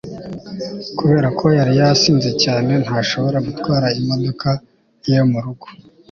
kubera ko yari yasinze cyane, ntashobora gutwara imodoka ye murugo